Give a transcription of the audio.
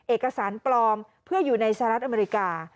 เอกสารปลอมเพื่ออยู่ในสหรัฐอเมริกา